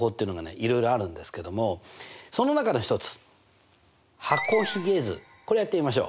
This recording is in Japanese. いろいろあるんですけどもその中の一つ箱ひげ図これやってみましょう。